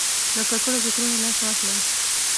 له ککړو فکرونو لاس واخلي.